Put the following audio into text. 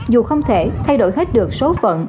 dù không thể thay đổi hết được số phận